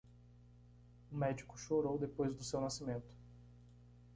O médico chorou depois do seu nascimento.